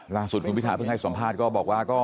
ล่าสุดคุณพิทาเพิ่งให้สัมภาษณ์ก็บอกว่า